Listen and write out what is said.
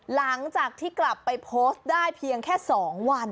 หลังจากที่กลับไปโพสต์ได้เพียงแค่๒วัน